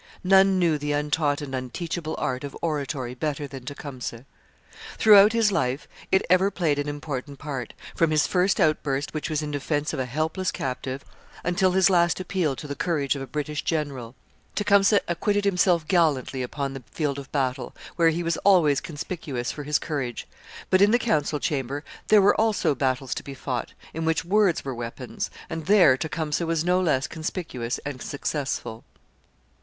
None knew the untaught and unteachable art of oratory better than Tecumseh. Throughout his life it ever played an important part, from his first outburst, which was in defence of a helpless captive, until his last appeal to the courage of a British general. Tecumseh acquitted himself gallantly upon the field of battle, where he was always conspicuous for his courage; but in the council chamber there were also battles to be fought, in which words were weapons, and there Tecumseh was no less conspicuous and successful.